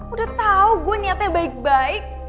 udah tahu gue niatnya baik baik